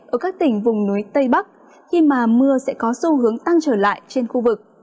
ở các tỉnh vùng núi tây bắc khi mà mưa sẽ có xu hướng tăng trở lại trên khu vực